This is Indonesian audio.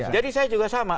jadi saya juga sama